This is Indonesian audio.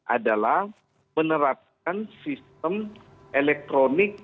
adalah menerapkan sistem elektronik